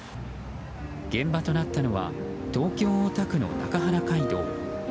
現場となったのは東京・大田区の中原街道。